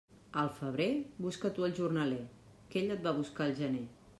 Al febrer, busca tu el jornaler, que ell et va buscar al gener.